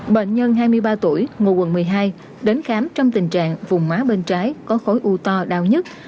bệnh nhân hai mươi ba tuổi ngụ quận một mươi hai đến khám trong tình trạng vùng má bên trái có khối u to đau nhất